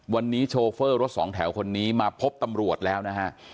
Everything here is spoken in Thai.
วันนี้โชเฟอร์รถสองแถวคนนี้มาพบตำรวจแล้วนะฮะ